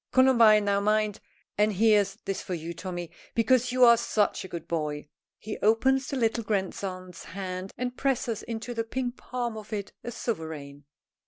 Columbine, now mind. And here's this for you, Tommy, because you are such a good boy." He opens the little grandson's hand and presses into the pink palm of it a sovereign.